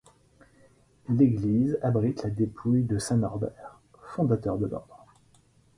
L’église abrite la dépouille de saint Norbert, fondateur de l’ordre.